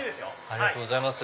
ありがとうございます。